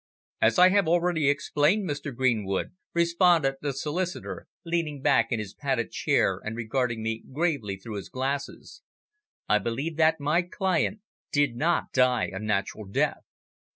"As I have already explained, Mr. Greenwood," responded the solicitor, leaning back in his padded chair and regarding me gravely through his glasses, "I believe that my client did not die a natural death.